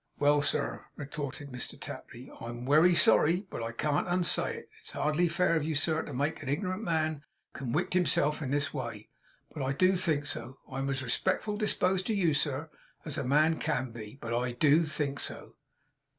'Well, sir,' retorted Mr Tapley, 'I'm werry sorry, but I can't unsay it. It's hardly fair of you, sir, to make a ignorant man conwict himself in this way, but I DO think so. I am as respectful disposed to you, sir, as a man can be; but I DO think so.